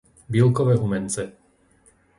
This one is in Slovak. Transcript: Bílkove Humence